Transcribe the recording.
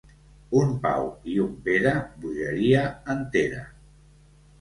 Un Pau i un Pere, bogeria entera.